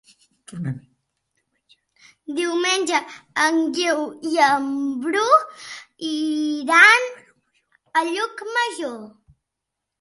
Diumenge en Guiu i en Bru iran a Llucmajor.